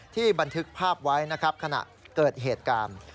บันทึกภาพไว้นะครับขณะเกิดเหตุการณ์